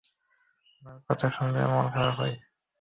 উনার কথা শুনলে মন খারাপ হয়!